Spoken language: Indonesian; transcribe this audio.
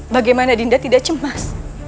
bagaimana dinda tidak cemas